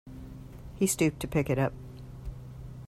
He stooped to pick it up.